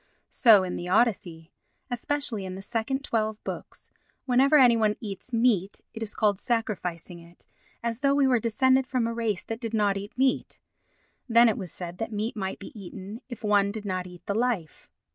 So in the Odyssey, especially in the second twelve books, whenever any one eats meat it is called "sacrificing" it, as though we were descended from a race that did not eat meat. Then it was said that meat might be eaten if one did not eat the life.